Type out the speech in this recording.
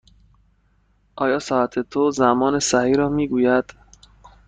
آیا ساعت تو زمان صحیح را می گوید؟